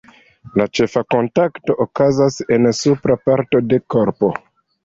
La ĉefa kontakto okazas en supra parto de korpo.